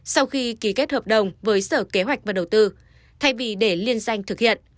sau khi ký kết hợp đồng với sở kế hoạch và đầu tư thay vì để liên danh thực hiện